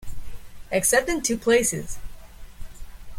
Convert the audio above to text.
Except in two places.